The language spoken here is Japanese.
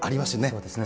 そうですね。